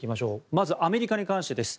まずアメリカに関してです。